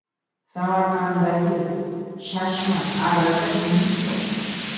Samarqanddagi chashma arig‘ida «neft» oqmoqda